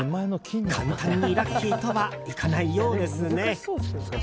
簡単にラッキーとはいかないようですね。